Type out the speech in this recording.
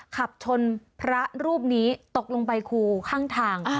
ขับชนพระรูปนี้ตกลงไปคูข้างทาง